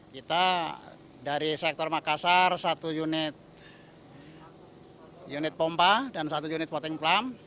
kita dari sektor makassar satu unit pompa dan satu unit voting plump